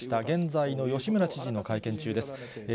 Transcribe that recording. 現在の吉村知事の会見中です。